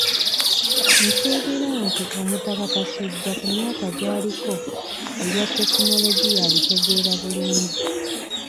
Nsuubira nti Omutaka Kasujja ku myaka gy'aliko ebya tekinologiya abitegeera bulungi.